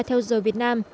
theo giờ việt nam